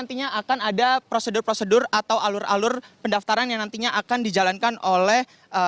nantinya akan ada prosedur prosedur atau alur alur pendaftaran yang nantinya akan dijalankan oleh